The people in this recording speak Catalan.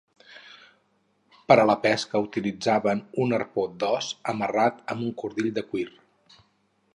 Per a la pesca utilitzaven un arpó d'os, amarrat a un cordill de cuir.